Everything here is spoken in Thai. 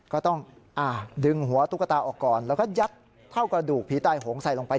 ก็ต้องดึงหัวตุ๊กตาออกก่อนแล้วก็ยัดเท่ากระดูกผีตายโหงใส่ลงไป